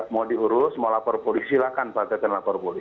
mau diurus mau lapor polisi silahkan pakai ke lapor polisi